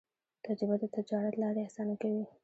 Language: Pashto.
تجربه د تجارت لارې اسانه کوي.